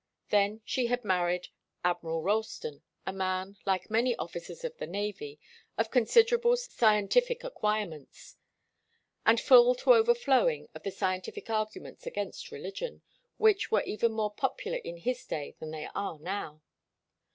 Then she had married Admiral Ralston, a man, like many officers of the Navy, of considerable scientific acquirements, and full to overflowing of the scientific arguments against religion, which were even more popular in his day than they are now.